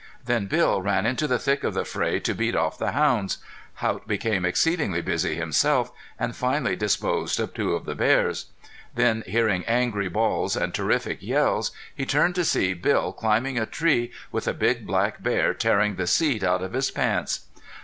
Then Bill ran into the thick of the fray to beat off the hounds. Haught became exceedingly busy himself, and finally disposed of two of the bears. Then hearing angry bawls and terrific yells he turned to see Bill climbing a tree with a big black bear tearing the seat out of his pants.